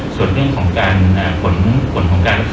ส่วนเรื่องการสร้างกฎ